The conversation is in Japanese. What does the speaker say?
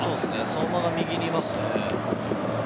相馬が右にいますね。